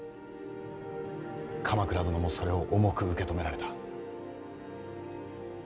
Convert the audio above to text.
鎌倉殿もそれを重く受け止められた。